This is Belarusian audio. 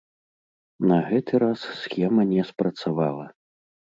На гэты раз схема не спрацавала.